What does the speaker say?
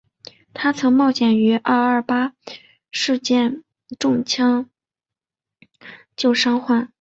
她曾冒险于二二八事件中抢救伤患。